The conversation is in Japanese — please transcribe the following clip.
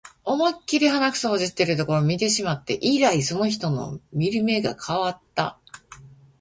思いっきり鼻くそほじってるところ見てしまって以来、その人を見る目が変わった